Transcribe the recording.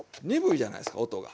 鈍いじゃないですか音が。